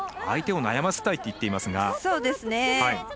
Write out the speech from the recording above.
相手を悩ませたいと言っていますが。